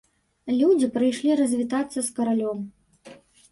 Людзі прыйшлі развітацца з каралём.